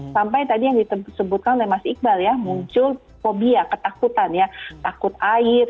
sampai tadi yang disebutkan oleh mas iqbal ya muncul fobia ketakutan ya takut air